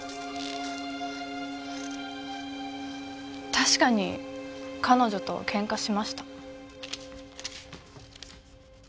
確かに彼女とケンカしました。